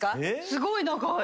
すごい長い。